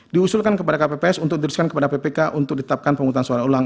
diusulkan kepada kpps untuk diteruskan kepada ppk untuk ditetapkan pemungutan suara ulang